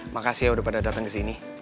makasih ya udah pada datang ke sini